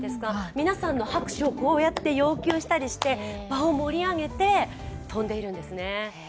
皆さんの拍手を要求したりして、場を盛り上げて飛んでいるんですね。